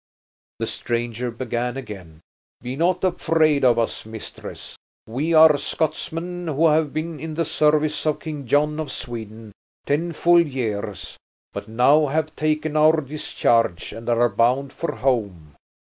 The stranger began again: "Be not afraid of us, mistress! We are Scotsmen who have been in the service of King John of Sweden ten full years, but now have taken our discharge and are bound for home.